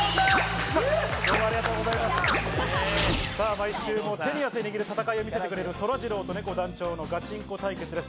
毎週、手に汗握る戦いを見せてくれるそらジローとねこ団長のガチンコ対決です。